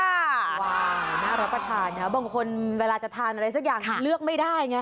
ว้าวน่ารับประทานนะบางคนเวลาจะทานอะไรสักอย่างเลือกไม่ได้ไง